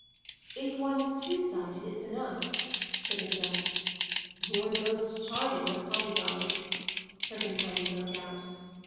"If one's two sided it's enough," said Isabel. "You're the most charming of polygons!" her companion broke out.